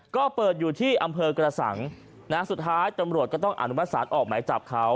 ก็เปิดอยู่ที่อำเภอกระสังสุดท้ายตำรวจก็ต้องอนุมัติศาลออกหมายจับเขา